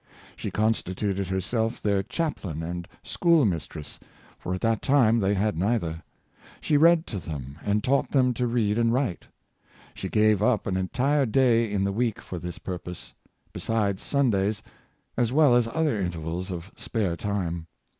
She constituted herself their chaplain and school mistress, for at that time they had neither; she read to them and taught them to read and write. She gave up an entire day in the week for this purpose, besides Sundays, as well as other intervals of spare time.